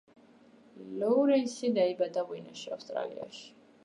ლოურენსი დაიბადა ვენაში, ავსტრიაში.